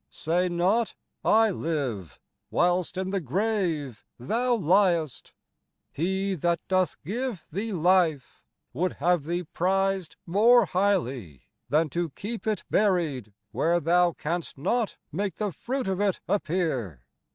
Say not, I live, Whilst in the grave thou ly'st ! He that doth give Thee life, would have thee prize 't More highly than to keep it bury'd where Thou canst not make the fruit of it appeare.